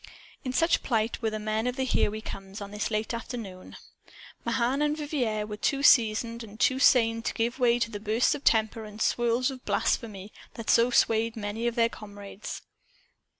In such plight were the men of the "Here We Comes," on this late afternoon. Mahan and Vivier were too seasoned and too sane to give way to the bursts of temper and the swirls of blasphemy that swayed so many of their comrades.